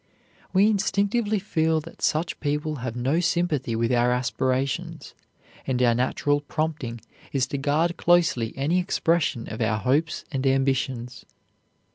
We instinctively feel that such people have no sympathy with our aspirations, and our natural prompting is to guard closely any expression of our hopes and ambitions.